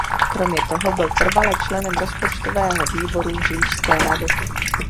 Kromě toho byl trvale členem rozpočtového výboru Říšské rady.